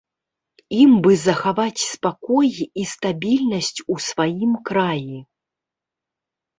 Ім бы захаваць спакой і стабільнасць у сваім краі.